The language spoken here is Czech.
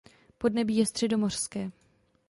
Podnebí je středomořské.